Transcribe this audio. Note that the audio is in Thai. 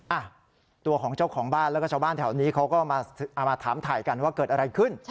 อ่ะตัวของเจ้าของบ้านแล้วก็ชาวบ้านแถวนี้เขาก็มาถามถ่ายกันว่าเกิดอะไรขึ้น